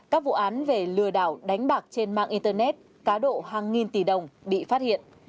các vụ án về lừa đảo đánh bạc trên mạng internet cá độ hàng nghìn tỷ đồng bị phát hiện